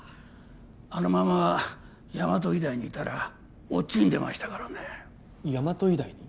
あのまま大和医大にいたらおっ死んでましたからね大和医大に？